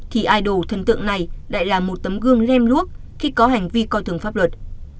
thì idol này lại là một tấm gương lem luốc khi có hành vi coi thường pháp luật